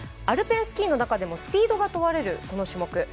アルペンスキーの中でもスピードが問われる、この種目。